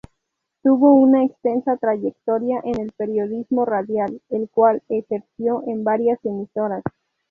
Tuvo una extensa trayectoria en el periodismo radial, el cual ejerció en varias emisoras.